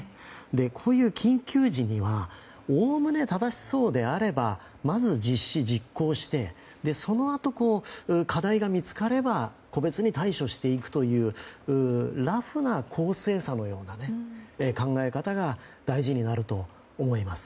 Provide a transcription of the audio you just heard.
こういう緊急時にはおおむね正しそうであればまず、実施・実行してそのあと課題が見つかれば個別に対処していくというラフな公正さのような考え方が大事になると思います。